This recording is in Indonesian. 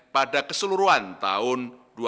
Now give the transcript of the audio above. pada keseluruhan tahun dua ribu dua puluh